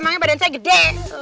emangnya badan saya gede